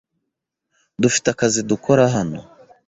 Dufite akazi dukora hano.